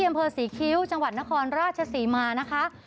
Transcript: อำเภอศรีคิ้วจังหวัดนครราชศรีมานะคะ